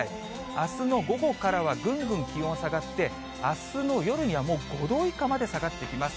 あすの午後からはぐんぐん気温が下がって、あすの夜には、もう５度以下まで下がってきます。